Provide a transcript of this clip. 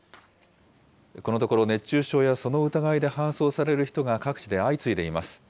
このところ熱中症やその疑いで搬送される人が各地で相次いでいます。